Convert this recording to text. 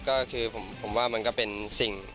ก็คือผมว่ามันก็เป็นสิ่ง